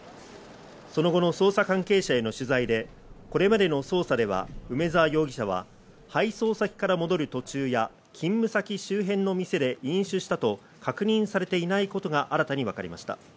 その後の捜査関係者への取材で、これまでの捜査では梅沢容疑者は配送先から戻る途中や勤務先周辺の店で飲酒したと確認されていないことが新たにわかりました。